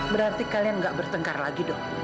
berarti kalian nggak bertengkar lagi dong